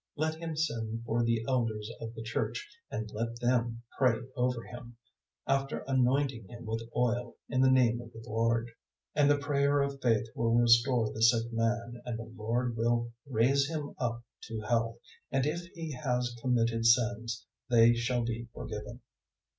Let him send for the Elders of the Church, and let them pray over him, after anointing him with oil in the name of the Lord. 005:015 And the prayer of faith will restore the sick man, and the Lord will raise him up to health; and if he has committed sins, they shall be forgiven.